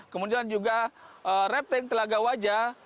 kemudian juga rapting telaga wajah